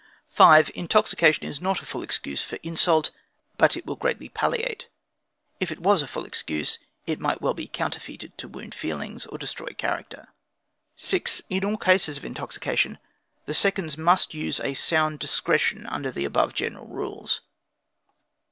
5. Intoxication is not a full excuse for insult, but it will greatly palliate. If it was a full excuse, it might be well counterfeited to wound feelings, or destroy character. 6. In all cases of intoxication, the seconds must use a sound discretion under the above general rules.